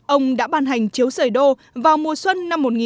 ông đã ban hành chiếu rời đô vào mùa xuân